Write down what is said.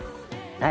はい！